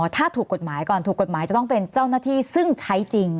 ถ้าถูกกฎหมายก่อนถูกกฎหมายจะต้องเป็นเจ้าหน้าที่ซึ่งใช้จริง